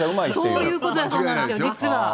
そういうことなんですよ、実は。